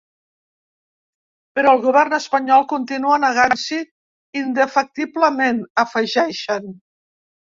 Però el govern espanyol continua negant-s’hi indefectiblement, afegeixen.